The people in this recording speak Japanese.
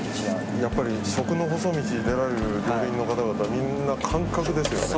やっぱり食の細道に出られる達人の方々はみんな感覚ですよね。